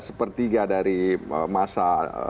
sepertiga dari masa